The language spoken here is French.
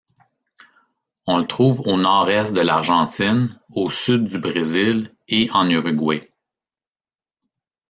On le trouve au nord-est de l'Argentine, au sud du Brésil et en Uruguay.